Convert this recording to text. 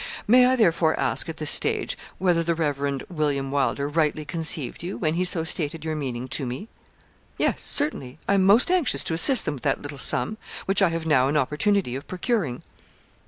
May I therefore ask, at this stage, whether the Rev. William Wylder rightly conceived you, when he so stated your meaning to me?' 'Yes, certainly, I am most anxious to assist them with that little sum, which I have now an opportunity of procuring.'